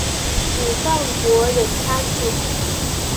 武藏国忍藩主。